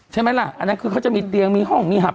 ใช่ไหมล่ะอันนั้นคือเขาจะมีเตียงมีห้องมีหับ